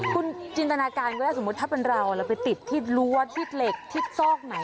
คุณจินตนาการก็ได้สมมุติถ้าเป็นเราเราไปติดที่รั้วที่เหล็กทิศซอกไหน